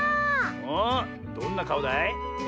おっどんなかおだい？